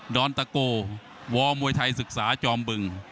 อนตะโกวมวยไทยศึกษาจอมบึง